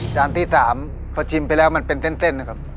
จานที่๓พอชิมไปแล้วมันเป็นเส้นนะครับ